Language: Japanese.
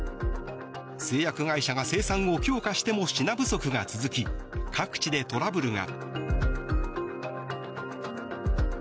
製薬会社が生産を強化しても品不足が続き各地でトラブルが。